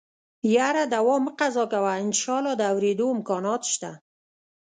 يره دوا مه قضا کوه انشاالله د اورېدو امکانات شته.